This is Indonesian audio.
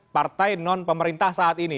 partai non pemerintah saat ini